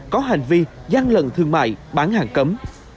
có hành vi gian lận thương mại bán hàng cấm